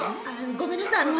ごめんなさい。